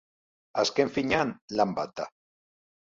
Azken finean, lan bat da.